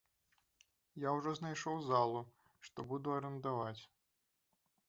Я ўжо знайшоў залу, што буду арандаваць.